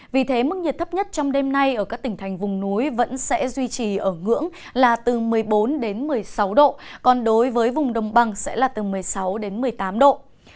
vì thế mức nhiệt thấp nhất trong đêm nay ở các tỉnh thành vùng núi vẫn sẽ duy trì ở ngưỡng là từ một mươi bốn đến một mươi sáu độ còn đối với vùng đồng bằng sẽ là từ một mươi sáu đến một mươi tám độ